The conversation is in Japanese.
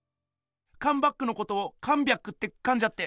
「カンバック」のとこを「カンビャック」ってかんじゃって！